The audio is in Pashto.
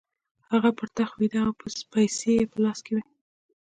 هغه پر تخت ویده او پیسې یې په لاس کې وې